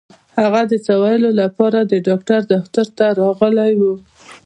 هغه د څه ويلو لپاره د ډاکټر دفتر ته راغلې وه.